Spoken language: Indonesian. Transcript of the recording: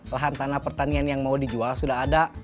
lahan tanah pertanian yang mau dijual sudah ada